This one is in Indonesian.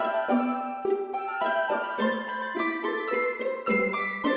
agar akhirnya kami bisa menemukan rekanan riches